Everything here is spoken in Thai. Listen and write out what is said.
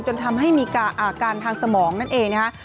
จนทำให้มีอาการทางสมองนั่นเองนะคะ